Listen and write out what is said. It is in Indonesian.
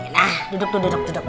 nah duduk duduk duduk